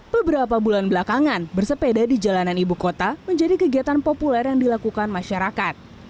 beberapa bulan belakangan bersepeda di jalanan ibu kota menjadi kegiatan populer yang dilakukan masyarakat